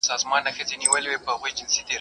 ما چي پېچومي د پامیر ستایلې.